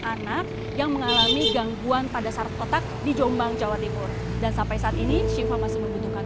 anak yang mengalami gangguan pada saat kotak di jombang jawa timur dan sampai saat ini siva